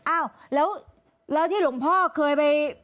อ้าวแล้วที่หลวงพ่อเคยไป